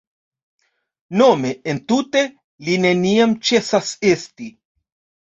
Nome, entute, “Li neniam ĉesas esti”.